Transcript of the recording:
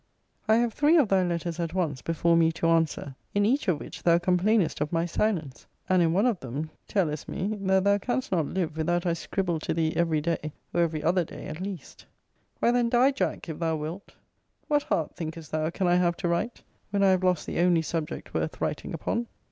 I have three of thy letters at once before me to answer; in each of which thou complainest of my silence; and in one of them tellest me, that thou canst not live without I scribble to thee every day, or every other day at least. Why, then, die, Jack, if thou wilt. What heart, thinkest thou, can I have to write, when I have lost the only subject worth writing upon?